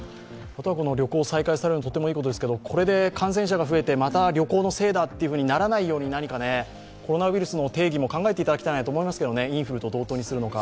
旅行が再開されるのはとってもいいことですけど、これで感染者が増えて、また旅行のせいだとならないように、コロナウイルスの定義も考えていただきたいと思いますね、インフルと同等にするのか。